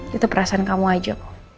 itu perasaan kamu aja